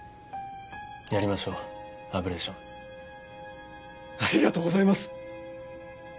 やりましょうアブレーションありがとうございます！